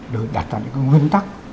để đạt ra những cái nguyên tắc